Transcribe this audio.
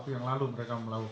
tidak ada kata kata di jelopet